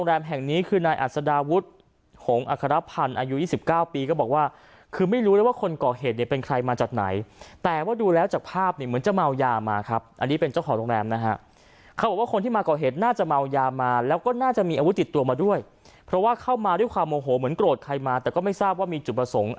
แห่งนี้คือนายอัศดาวุฒิหงอัครพันธ์อายุ๒๙ปีก็บอกว่าคือไม่รู้เลยว่าคนก่อเหตุเนี่ยเป็นใครมาจากไหนแต่ว่าดูแล้วจากภาพเนี่ยเหมือนจะเมายามาครับอันนี้เป็นเจ้าของโรงแรมนะฮะเขาบอกว่าคนที่มาก่อเหตุน่าจะเมายามาแล้วก็น่าจะมีอาวุธติดตัวมาด้วยเพราะว่าเข้ามาด้วยความโมโหเหมือนโกรธใครมาแต่ก็ไม่ทราบว่ามีจุดประสงค์